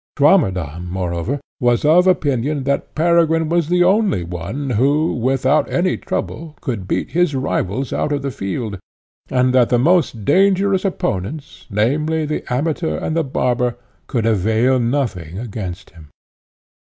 Swammerdamm, moreover, was of opinion that Peregrine was the only one who, without any trouble, could beat his rivals out of the field; and that the most dangerous opponents, namely, the Amateur and the Barber, could avail nothing against him.